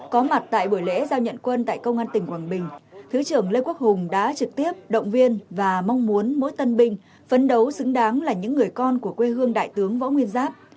có mặt tại buổi lễ giao nhận quân tại công an tỉnh quảng bình thứ trưởng lê quốc hùng đã trực tiếp động viên và mong muốn mỗi tân binh phấn đấu xứng đáng là những người con của quê hương đại tướng võ nguyên giáp